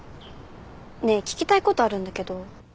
ねえ聞きたいことあるんだけど。